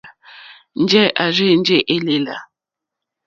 Njɛ̂ à rzênjé èlèlà.